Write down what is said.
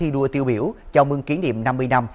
vừa tiêu biểu chào mừng kỷ niệm năm mươi năm